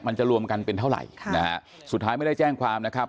มันจะรวมกันเป็นเท่าไหร่ค่ะนะฮะสุดท้ายไม่ได้แจ้งความนะครับ